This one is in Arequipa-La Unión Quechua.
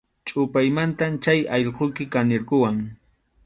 Chʼupaymantam chay allquyki kanirquwan.